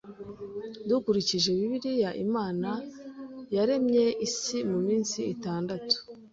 Dukurikije Bibiliya, Imana yaremye isi mu minsi itandatu.